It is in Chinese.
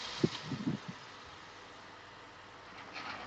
拉布吕埃。